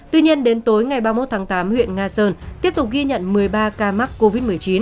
tuy nhiên đến tối ngày ba mươi một tháng tám huyện nga sơn tiếp tục ghi nhận một mươi ba ca mắc covid một mươi chín